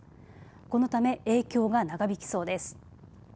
このため影響が長引きそうです。